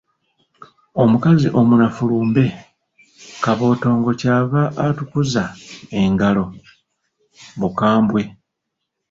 Omukazi omunafu lumbe, Kabootongo, Kyava atukuza engalo, Bukambwe.